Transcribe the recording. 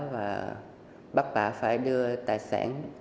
và bắt bà phải đưa tài sản